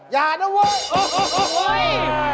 อย่านะเว้ย